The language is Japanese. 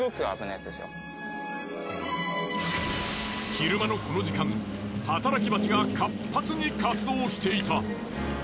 昼間のこの時間働きバチが活発に活動していた。